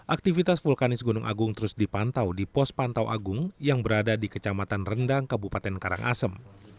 aktivitas vulkanis gunung agung terus dipantau di pos pantau agung yang berada di kecamatan rendang kabupaten karangasem